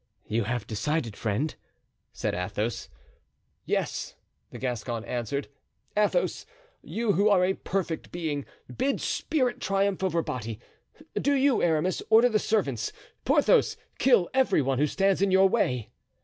"You have decided, friend?" said Athos. "Yes," the Gascon answered; "Athos! you, who are a perfect being, bid spirit triumph over body. Do you, Aramis, order the servants. Porthos, kill every one who stands in your way."